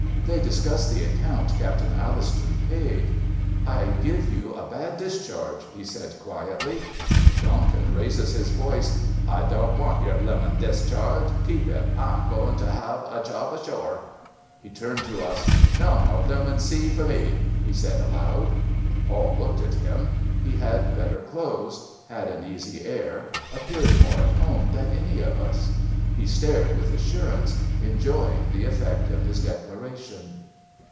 They discussed the account ... Captain Allistoun paid. 'I give you a bad discharge,' he said quietly. Donkin raised his voice: 'I don't want your bloomin' discharge keep it. I'm goin' ter 'ave a job hashore.' He turned to us. 'No more bloomin' sea for me,' he said, aloud. All looked at him. He had better clothes, had an easy air, appeared more at home than any of us; he stared with assurance, enjoying the effect of his declaration."